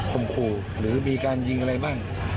มขู่หรือมีการยิงอะไรบ้าง